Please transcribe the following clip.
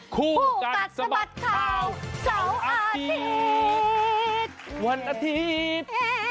เสาร์ประเทศบรรดาวันอาทีศ